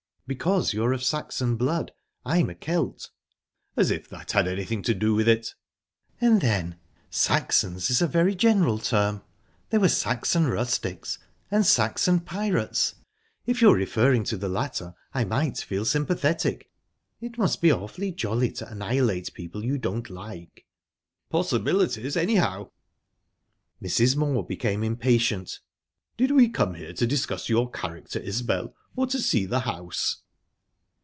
"Because you're of Saxon blood. I'm a Celt." "As if that had anything to do with it." "And then, Saxons is a very general term. There were Saxon rustics, and there were Saxon pirates. If you're referring to the latter I might feel sympathetic. It must be awfully jolly to annihilate people you don't like." "Possibilities, anyhow." Mrs. Moor became impatient. "Did we come here to discuss your character, Isbel, or to see the house?"